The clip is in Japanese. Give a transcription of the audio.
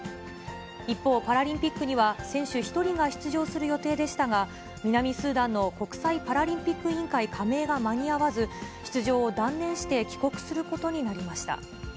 一方、パラリンピックには、選手１人が出場する予定でしたが、南スーダンの国際パラリンピック委員会加盟が間に合わず、出場を断念して帰国することになりました。